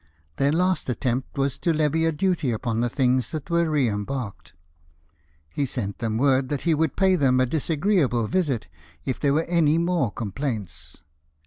Their last attempt was to levy a duty upon the things that were re embarked. He sent them K 2 100 LIFE OF NELSON. word that lie would pay them a disagreeable visit if there were any more complaints.